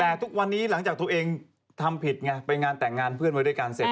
แต่ทุกวันนี้หลังจากตัวเองทำผิดไงไปงานแต่งงานเพื่อนไว้ด้วยกันเสร็จ